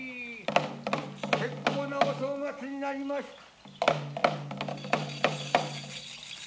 結構なお正月になりました。